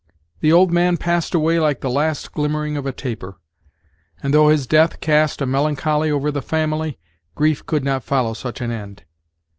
The old man passed away like the last glimmering of a taper; and, though his death cast a melancholy over the family, grief could not follow such an end.